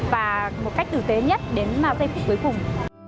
và một cách tử tế nhất đến giai đoạn cuối cùng